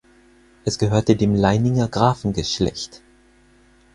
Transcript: Es gehörte dem Leininger Grafengeschlecht.